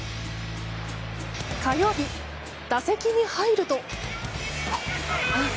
火曜日、打席に入ると。